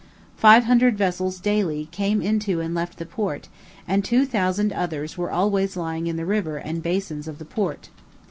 Five hundred vessels daily came into and left the port, and two thousand others were always lying in the river and basins of the port.